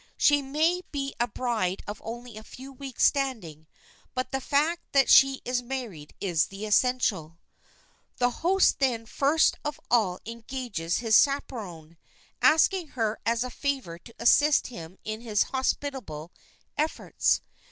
She may be a bride of only a few weeks' standing,—but the fact that she is married is the essential. [Sidenote: ENGAGING THE CHAPERON] The host, then, first of all, engages his chaperon,—asking her as a favor to assist him in his hospitable efforts.